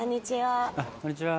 こんにちは。